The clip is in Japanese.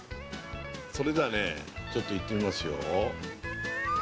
それじゃねちょっといってみますよ